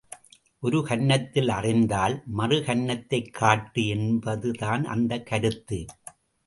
ஒரு கன்னத்தில் அறைந்தால் மறு கன்னத்தைக் காட்டு என்பதுதான் அந்தக் கருத்து.